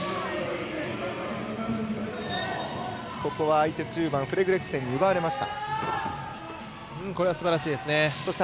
相手の１０番フレズレクセンに奪われました。